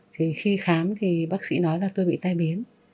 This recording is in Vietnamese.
thì khi khám thì bác sĩ nói là tôi bị tai biến